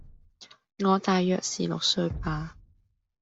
我大約是六歲吧